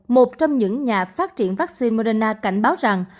một trong những nhà phát triển vaccine morena cảnh báo rằng